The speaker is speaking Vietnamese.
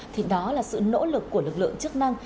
thì đó là sự nỗ lực của lực lượng chức năng